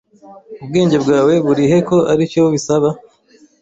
Ubwenge bwawe burihe ko aricyo bisaba?